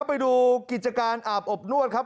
ไปดูกิจการอาบอบนวดครับ